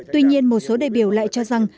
tuy nhiên một số đại biểu lại cho rằng